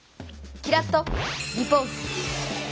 キラッとリポート！